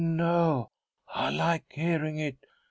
" Oh, no ! I like hearing it.